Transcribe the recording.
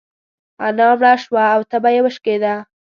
انا مړه سوه او تبه يې وشکيده.